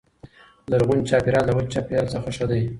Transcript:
زرغون چاپیریال د وچ چاپیریال څخه ښه دی.